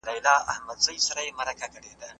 تخنیک او ټکنالوژي پرمختګ کوي.